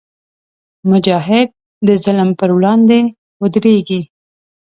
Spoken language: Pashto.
مجاهد د ظلم پر وړاندې ودریږي.